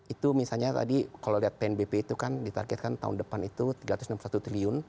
itu misalnya tadi kalau lihat tnbp itu kan ditargetkan tahun depan itu tiga ratus enam puluh satu triliun